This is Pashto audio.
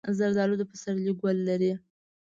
زردالو د پسرلي ګل لري.